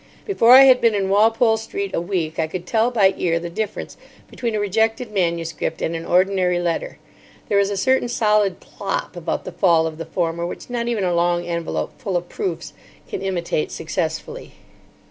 Before I had been in Walpole Street a week I could tell by ear the difference between a rejected manuscript and an ordinary letter. There is a certain solid plop about the fall of the former which not even a long envelope full of proofs can imitate successfully.